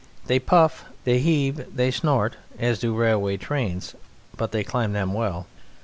They puff, they heave, they snort, as do railway trains, but they climb them well.